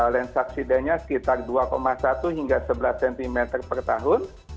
land subsidennya sekitar dua satu hingga sebelas cm per tahun